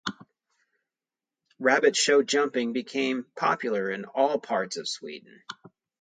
Rabbit show jumping became popular in all parts of Sweden.